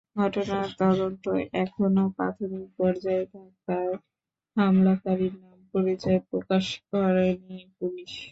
ঘটনার তদন্ত এখনো প্রাথমিক পর্যায়ে থাকায় হামলাকারীর নাম-পরিচয় প্রকাশ করেনি পুলিশ।